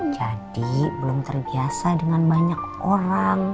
jadi belum terbiasa dengan banyak orang